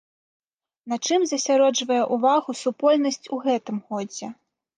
На чым засяроджвае ўвагу супольнасць у гэтым годзе?